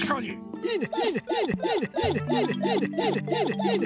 いいね！